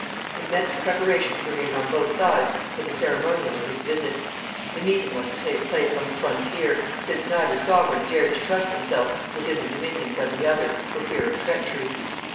Immense preparations were made on both sides for the ceremonial of this visit. The meeting was to take place on the frontier, since neither sovereign dared to trust himself within the dominions of the other, for fear of treachery.